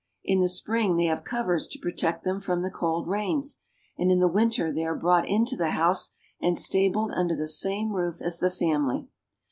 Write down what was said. In the spring they have covers to protect them from the cold rains, and in the winter they are brought into the house and stabled under the same roof as the family.